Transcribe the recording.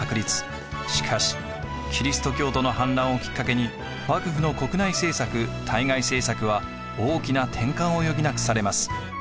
しかしキリスト教徒の反乱をきっかけに幕府の国内政策対外政策は大きな転換を余儀なくされます。